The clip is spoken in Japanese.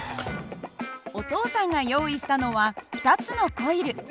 お父さんが用意したのは２つのコイル。